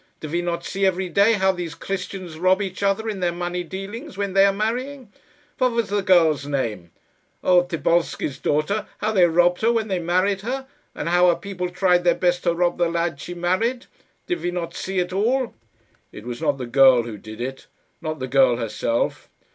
Do we not see every day how these Christians rob each other in their money dealings when they are marrying? What was the girl's name? old Thibolski's daughter how they robbed her when they married her, and how her people tried their best to rob the lad she married. Did we not see it all?" "It was not the girl who did it not the girl herself."